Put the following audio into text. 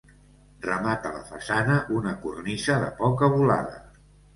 Remata la façana una cornisa de poca volada.